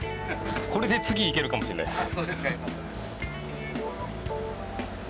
これで次に行けるかもしれないです。